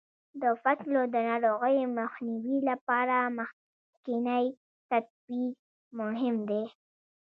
د فصلو د ناروغیو مخنیوي لپاره مخکینی تدبیر مهم دی.